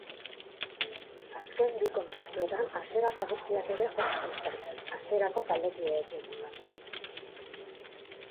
Azken bi kontzertuetan hasierako abestiak ere jo zituzten, hasierako taldekideekin.